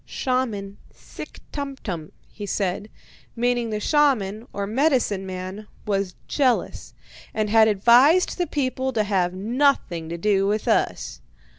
"'Shaman SICK TUMTUM,' he said, meaning the shaman, or medicine man, was jealous, and had advised the people to have nothing to do with us.